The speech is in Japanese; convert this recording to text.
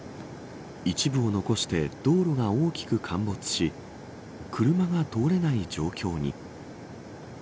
一部を残して道路が大きく陥没し車が通れない状況に。